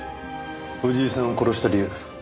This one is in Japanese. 藤井さんを殺した理由。